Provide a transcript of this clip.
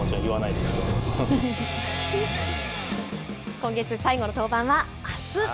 今月最後の登板はあす。